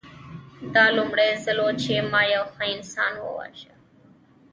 دا لومړی ځل و چې ما یو انسان وواژه